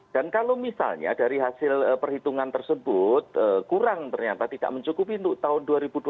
dan kalau misalnya dari hasil perhitungan tersebut kurang ternyata tidak mencukupi untuk tahun dua ribu dua puluh satu